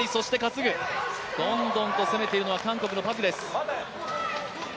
どんどんと攻めているのは韓国のパクです。